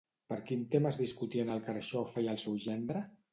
Per quin tema es discutien el Carxofa i el seu gendre?